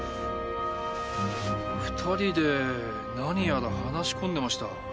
２人で何やら話し込んでました。